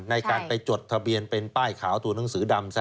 ในการไปจดทะเบียนเป็นป้ายขาวตัวหนังสือดำซะ